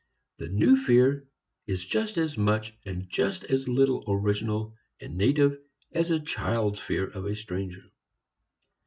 The new fear is just as much and just as little original and native as a child's fear of a stranger.